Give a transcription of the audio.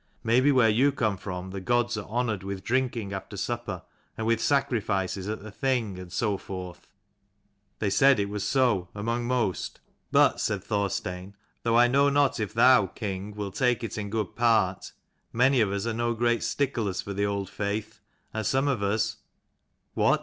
Maybe where you come from, the gods are honoured with drinking after supper, and with sacrifices at the Thing, and so forth ?" They said it was so, among most: "But," said Thorstein, "though I know not if thou, king, wilt take it in good part, many of us are no great sticklers for the old faith, and some of us "" What